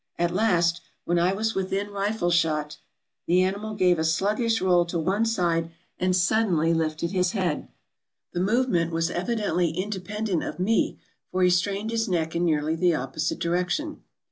At last, when I was within long rifle shot, the animal gave a sluggish roll to one side, and suddenly lifted his head. The movement was evidently independent of me, for he strained his neck in nearly the opposite direction.